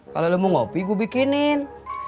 kalau lu mau ngopi gua bikinin